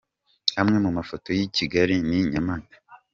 Amwe mu mafoto y’i Kigali n’i Nyamata :.